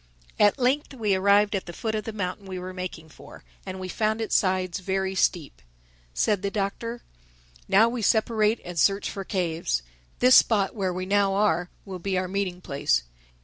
At length we arrived at the foot of the mountain we were making for; and we found its sides very steep. Said the Doctor, "Now we will separate and search for caves. This spot where we now are, will be our meeting place.